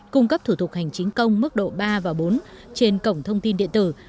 cung cấp thủ tục hành chính công mức độ ba và bốn trên cổng thông tin điện tử